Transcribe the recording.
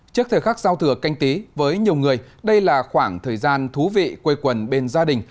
trước thời khắc giao thừa canh tí với nhiều người đây là khoảng thời gian thú vị quê quần bên gia đình